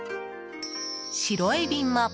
白エビも！